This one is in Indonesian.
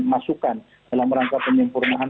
masukan dalam rangka penyempurnaan